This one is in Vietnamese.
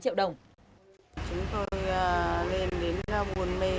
chúng tôi lên đến buôn mê